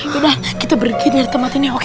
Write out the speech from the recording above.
yudah kita pergi nyari tempat ini oke